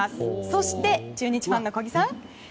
そして中日ファンの小木さん。